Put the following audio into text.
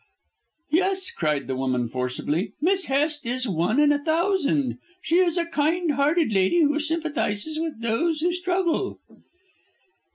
"Yes," cried the woman forcibly; "Miss Hest is one in a thousand. She is a kind hearted lady who sympathises with those who struggle."